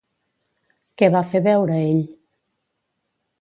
Què va fer veure ell?